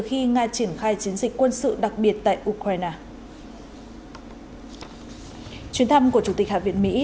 khi nga triển khai chiến dịch quân sự đặc biệt tại ukraine chuyến thăm của chủ tịch hạ viện mỹ